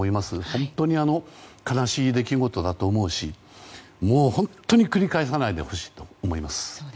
本当に悲しい出来事だと思うしもう本当に繰り返さないでほしいと思います。